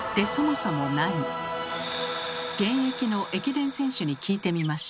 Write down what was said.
現役の駅伝選手に聞いてみました。